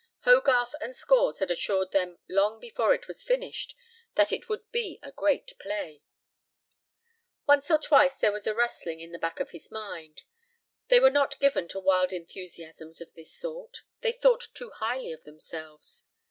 Hogarth and Scores had assured them long before it was finished that it would be a great play. Once or twice there was a rustling in the back of his mind. They were not given to wild enthusiasms of this sort. They thought too highly of themselves.